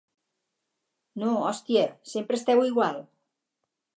No, hòstia, sempre esteu igual.